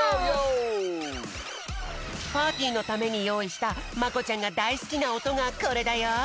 パーティーのためによういしたまこちゃんがだいすきなおとがこれだよ。